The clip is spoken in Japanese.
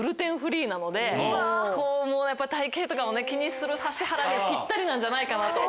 やっぱり体形とかを気にする指原にはぴったりなんじゃないかなと。